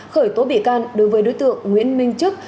khởi tố bị can đối với đối tượng nguyễn minh chức